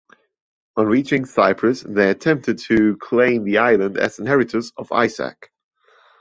On reaching Cyprus, they attempted to claim the island as inheritors of Isaac.